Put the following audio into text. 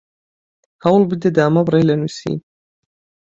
هەوڵ بدە دامەبڕێ لە نووسین